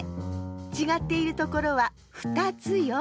ちがっているところは２つよ。